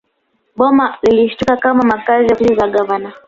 Boma lilitumika kama makazi na ofisi za gavana